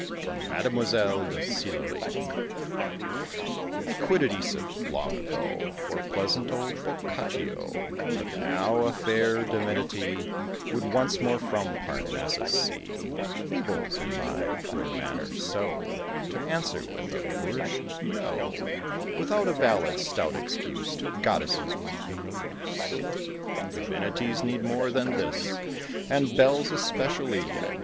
FOR MADEMOISELLE DE SILLERY. I quitted Æsop, long ago, For pleasant old Boccaccio; But now a fair Divinity Would once more from Parnassus see Fables in my poor manner; so To answer with a boorish "No," Without a valid, stout excuse, To goddesses would be no use; Divinities need more than this, And belles especially, I wis.